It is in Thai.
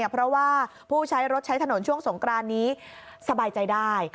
เพราะว่าผู้ใช้รถใช้ถนนช่วงสงกรานนี้สบายใจได้